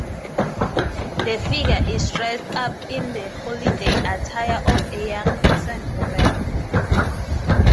The figure is dressed up in the holiday attire of a young peasant woman.